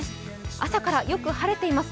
朝からよく晴れています。